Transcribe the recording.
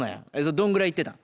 どんぐらい行ってたん？